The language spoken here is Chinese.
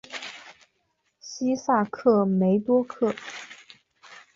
西萨克梅多克。